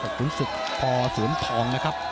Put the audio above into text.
กับคุณศึกพศูนย์ทอง